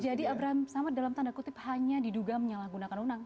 abraham samad dalam tanda kutip hanya diduga menyalahgunakan undang